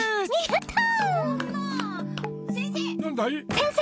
先生！